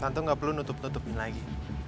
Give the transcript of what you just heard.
tante gak perlu nutup nutupin lagi